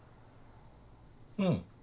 うん。